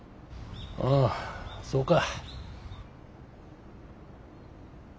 ああそうか。